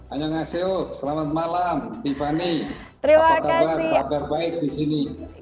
anyong aseo selamat malam tiffany apa kabar kabar baik di sini